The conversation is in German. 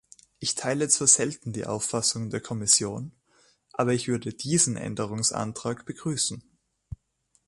Ich teile zwar selten die Auffassung der Kommission, aber ich würde diesen Änderungsantrag begrüßen.